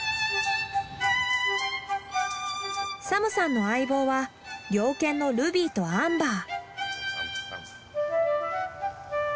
サムさんの相棒は猟犬のルビーとアンバー。